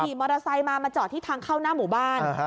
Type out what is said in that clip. มอเตอร์ไซค์มามาจอดที่ทางเข้าหน้าหมู่บ้าน